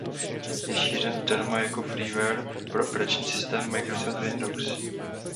Je šířen zdarma jako freeware pro operační systémy Microsoft Windows.